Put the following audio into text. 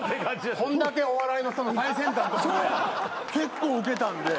こんだけお笑いの最先端の所で結構ウケたんで。